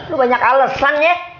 lu banyak alesan ya